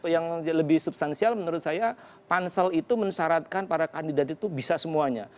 yang lebih substansial menurut saya pansel itu mensyaratkan para kandidat itu bisa semuanya